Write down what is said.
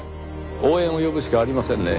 応援を呼ぶしかありませんね。